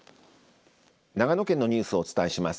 長野県のニュースをお伝えします。